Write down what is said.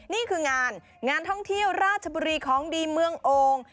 นี่คืองานงานท่องเที่ยวราชบุรีของดีเมืองโอ่ง